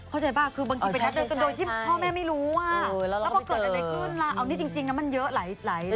เข้าใจป่ะคือบางทีไปนัดเจอจนโดยที่พ่อแม่ไม่รู้ว่าแล้วพอเกิดอะไรขึ้นล่ะเอานี่จริงนะมันเยอะหลาย